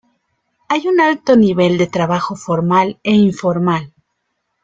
Hay un alto nivel de trabajo formal e informal.